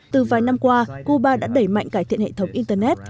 từ vài năm qua cuba đã đẩy mạnh cải thiện hệ thống internet